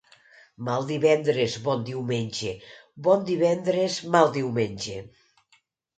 Mal divendres, bon diumenge; bon divendres, mal diumenge.